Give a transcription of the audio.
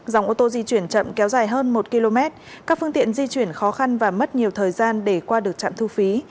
dòng ô tô di chuyển chậm kéo dài hơn một km các phương tiện di chuyển khó khăn và mất nhiều thời gian để qua được trạm thu phí